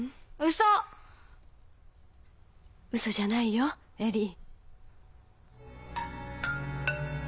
ウソじゃないよ恵里。